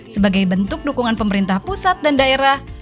sebagai bentuk dukungan pemerintah pusat dan daerah